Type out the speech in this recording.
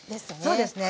そうですね。